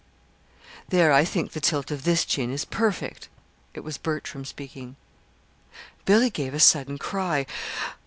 "There, I think the tilt of this chin is perfect." It was Bertram speaking. Billy gave a sudden cry.